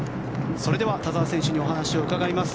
それでは田澤選手にお話を伺います。